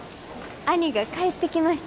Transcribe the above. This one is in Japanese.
兄が帰ってきました。